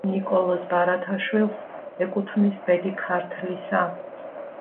ნიკოლოზ ბარათაშვილს ეკუთვნის "ბედი ქართლისა"